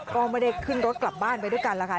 ก็ไม่ได้ขึ้นรถกลับบ้านไปด้วยกันแล้วค่ะ